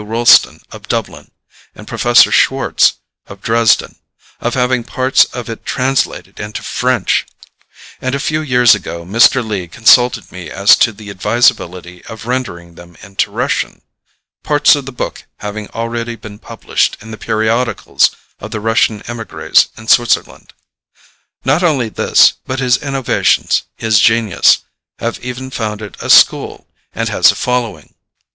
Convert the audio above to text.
Rolleston, of Dublin, and Professor Schwartz, of Dresden, of having parts of it translated into French, and a few years ago Mr. Lee consulted me as to the advisability of rendering them into Russian, parts of the book having already been published in the periodicals of the Russian emigrés in Switzerland. Not only this, but his innovations, his genius, have even founded a school, and has a following.